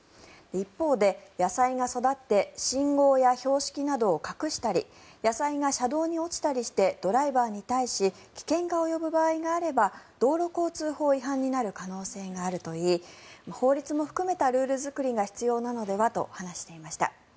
一方で野菜が育って信号や標識などを隠したり野菜が車道に落ちたりしてドライバーに対し危険が及ぶ場合があれば道路交通法違反になる可能性があるといい法律も含めたルール作りが必要なのではと話していました。